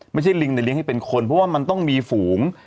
ลิงในเลี้ยให้เป็นคนเพราะว่ามันต้องมีฝูง